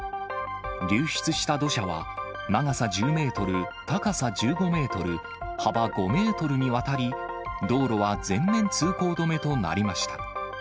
流出した土砂は、長さ１０メートル、高さ１５メートル、幅５メートルにわたり、道路は全面通行止めとなりました。